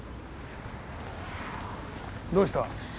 どうした？